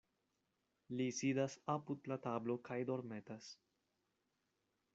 Li sidas apud la tablo kaj dormetas.